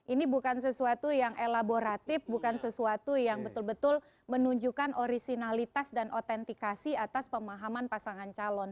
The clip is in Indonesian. ini bukan sesuatu yang elaboratif bukan sesuatu yang betul betul menunjukkan originalitas dan otentikasi atas pemahaman pasangan calon